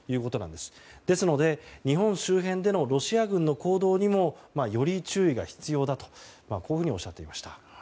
ですので、日本周辺でのロシア軍の行動にもより注意が必要だとおっしゃっていました。